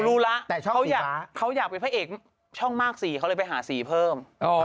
รู้แล้วเขาอยากเป็นพระเอกช่องมากสีเขาเลยไปหาสีเพิ่ม